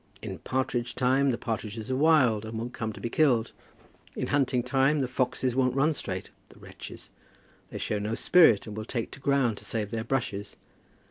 In partridge time, the partridges are wild, and won't come to be killed. In hunting time the foxes won't run straight, the wretches. They show no spirit, and will take to ground to save their brushes.